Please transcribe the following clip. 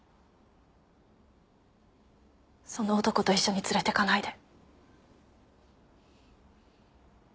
その男と一緒に連れていかないで。